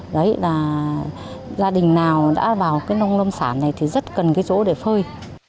đấy là gia đình nào đã vào cái nông lâm sản này thì rất cần cái chỗ để phơi